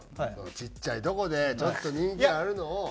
ちっちゃいとこでちょっと人気あるのを。